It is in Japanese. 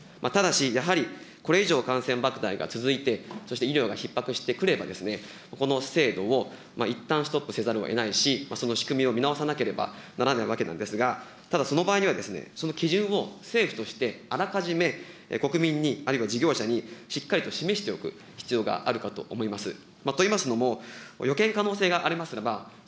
ただし、やはりこれ以上感染ばくだいが続いて、そして医療がひっ迫してくれば、この制度をいったんストップせざるをえないし、その仕組みを見直さなければならないわけなんですが、ただ、その場合には、その基準を政府としてあらかじめ、国民に、あるいは事業者にしっかりと示しておく必要があるかと思います。